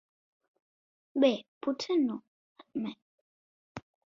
Bé, potser no, admet.